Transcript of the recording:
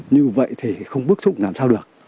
như vậy thì không bức xúc làm sao được